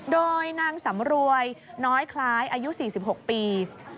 โดยนางสำรวยน้อยคล้ายอายุ๔๖ปี